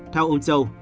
theo ông châu